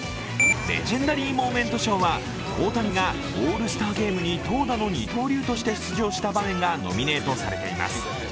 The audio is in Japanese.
レジェンダリー・モーメント賞は大谷がオールスターゲームに投打の二刀流で出場した場面がノミネートされています。